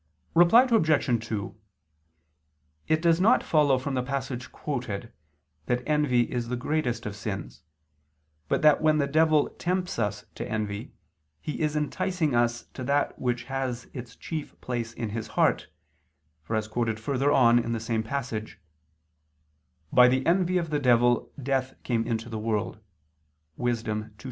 Reply Obj. 2: It does not follow from the passage quoted that envy is the greatest of sins, but that when the devil tempts us to envy, he is enticing us to that which has its chief place in his heart, for as quoted further on in the same passage, "by the envy of the devil, death came into the world" (Wis. 2:24).